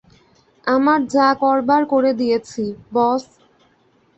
আমার যা করবার করে দিয়েছি, বস্।